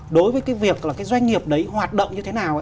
đối với cái việc là cái doanh nghiệp đấy hoạt động như thế nào